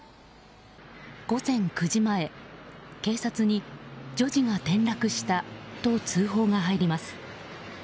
午前９時前、警察に女児が転落したと通報が入ります。